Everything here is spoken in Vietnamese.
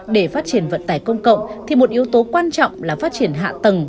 để phát triển vận tải công cộng thì một yếu tố quan trọng là phát triển hạ tầng